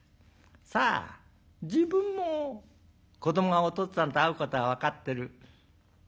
さあ自分も子どもがおとっつぁんと会うことは分かってる。